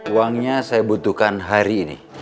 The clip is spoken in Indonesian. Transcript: uangnya saya butuhkan hari ini